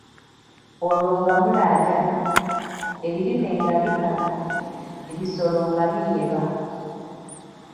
"Olwo nga mulaajana, ebirime nga bikala, ebisolo nga biyeba."